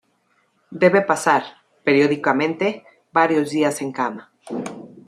Debe pasar, periódicamente, varios días en cama.